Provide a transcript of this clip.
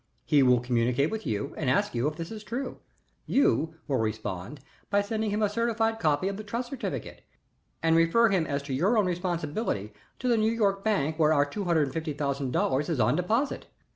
He will communicate with you and ask you if this is true. You will respond by sending him a certified copy of the trust certificate, and refer him as to your own responsibility to the New York bank where our two hundred and fifty thousand dollars is on deposit.